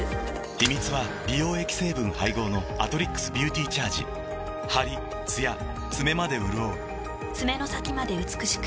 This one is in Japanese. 秘密は美容液成分配合の「アトリックスビューティーチャージ」ハリ・つや爪までうるおう爪の先まで美しく。